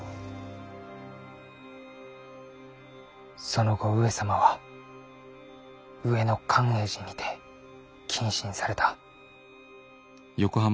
その後上様は上野寛永寺にて謹慎された。